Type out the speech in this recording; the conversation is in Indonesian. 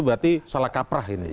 berarti salah kaprah ini